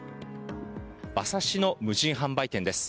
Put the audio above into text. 馬刺しの無人販売店です。